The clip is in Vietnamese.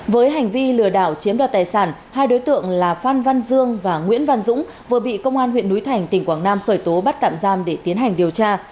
với hành vi lừa đảo chiếm đoạt tài sản hai đối tượng là phan văn dương và nguyễn văn dũng vừa bị công an huyện núi thành tỉnh quảng nam khởi tố bắt tạm giam để tiến hành điều tra